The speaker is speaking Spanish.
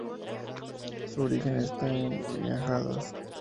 Su origen está en Miajadas.